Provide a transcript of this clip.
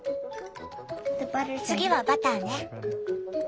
次はバターね。